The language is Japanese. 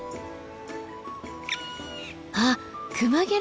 あっクマゲラ！